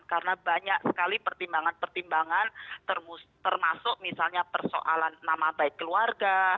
karena banyak sekali pertimbangan pertimbangan termasuk misalnya persoalan nama baik keluarga